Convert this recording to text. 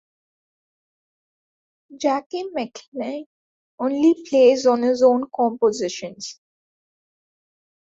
Jackie McLean only plays on his own compositions.